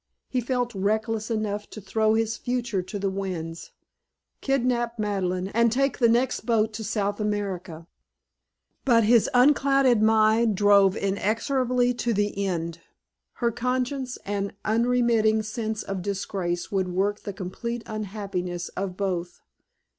He felt reckless enough to throw his future to the winds, kidnap Madeleine, and take the next boat to South America. But his unclouded mind drove inexorably to the end: her conscience and unremitting sense of disgrace would work the complete unhappiness of both.